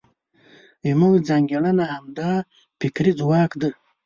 زموږ ځانګړنه همدا فکري ځواک دی.